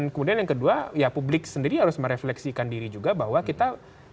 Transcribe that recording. kemudian yang kedua ya publik sendiri harus merefleksikan diri juga bahwa kita